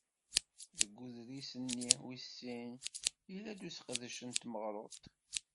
Deg uḍṛis-nni wis sin yella useqdec n tmeɣruḍt.